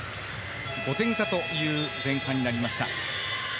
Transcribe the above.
５点差という前半になりました。